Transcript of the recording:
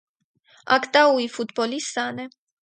Ակտաուի ֆուտբոլի սան է։